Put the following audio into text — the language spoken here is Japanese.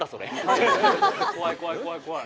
怖い怖い怖い怖い。